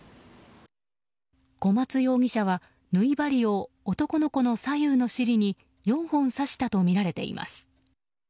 小松容疑者は縫い針を男の子の左右の尻に４本刺したとみられています。